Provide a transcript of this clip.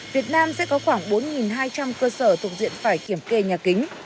việt nam sẽ có khoảng bốn hai trăm linh cơ sở tục diện phải kiểm kê nhà kính